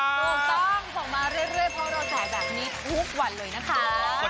ถูกต้องส่งมาเรื่อยเพราะเราถ่ายแบบนี้ทุกวันเลยนะคะ